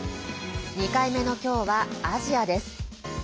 ２回目の今日は、アジアです。